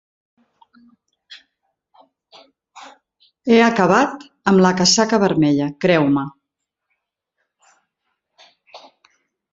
He acabat amb la casaca vermella, creu-me.